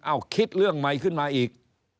เอาคิดเรื่องใหม่ขึ้นมาอีก